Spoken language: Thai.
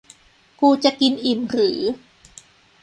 กูจะกินอิ่มหรือ